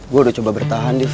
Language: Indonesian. gue udah coba bertahan div